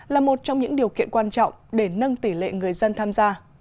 là một trong những điều kiện quan trọng để nâng tỷ lệ người dân tham gia